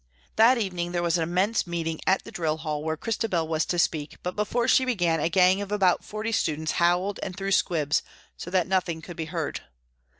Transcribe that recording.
That evening there was an immense meeting at the drill hall where Christabel was to speak, but before she began a gang of about forty students howled and threw squibs, so that nothing could be heard.